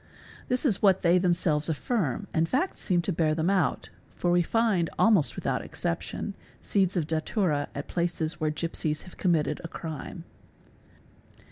This is what they themselves affirm and facts seem to bear io them out, for we find, almost without exception, seeds of datura at places ' where gipsies have committed a crime.